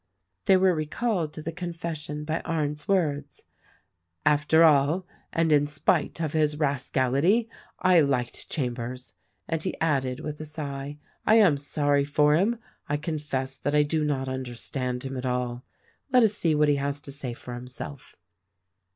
They were recalled to the confession by Arndt's words : 250 THE RECORDING ANGEL "After all, and in spite of his rascality, I liked Chambers," and he added with a sigh, "I am sorry for him — I confess that I do not understand him at all. Let us see what he has to say for himself."